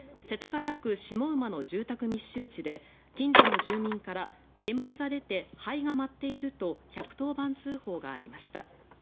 世田谷区下馬の住宅密集地で近所の住民から煙が出て、灰が舞っていると１１０番通報がありました。